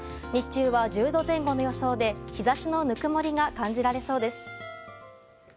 日中は１０度前後の予想で日差しのぬくもりが感じられそうです。